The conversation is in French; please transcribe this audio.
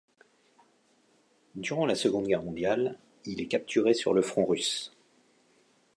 Durant la seconde Guerre mondiale, il est capturé sur le front russe.